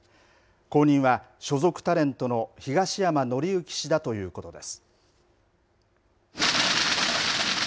後任は所属タレントの東山紀之氏だということです。